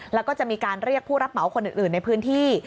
แล้วก็จะมีการเรียกผู้รับเหมาคนอื่นในพื้นที่